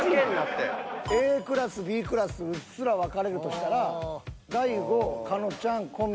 ＡクラスＢクラスうっすら分かれるとしたら大悟狩野ちゃん小宮。